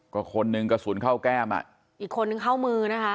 ก็คนหนึ่งกระสุนเข้าแก้มอ่ะอีกคนนึงเข้ามือนะคะ